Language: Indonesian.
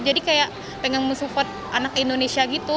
jadi kayak pengen musuh buat anak indonesia gitu